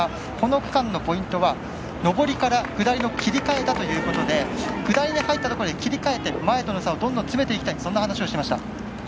この区間のポイントは上りから下りの切り替えだということで下りに入ったところで切り替えて前との差を詰めていきたいと話していました。